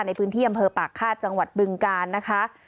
ในพื้นที่อำเภอปากฆาตจังหวัดบึงกาลนะคะ